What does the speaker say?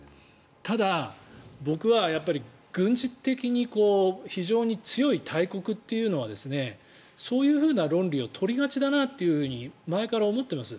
ただ、僕は軍事的に非常に強い大国というのはそういう論理を取りがちだなって前から思ってます。